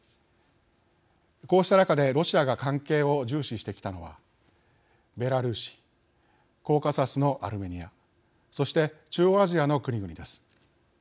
こうした中でロシアが関係を重視してきたのはベラルーシコーカサスのアルメニアそして、中央アジアの国々です。